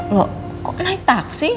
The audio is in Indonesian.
loh kok naik taksi